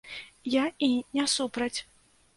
Я і не супраць.